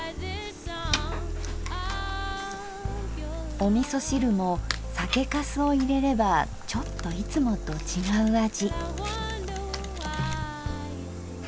おみそ汁も酒かすを入れればちょっといつもと違う味。